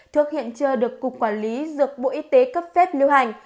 thuốc hiện chưa được cục quản lý dược bộ y tế cấp phép lưu hành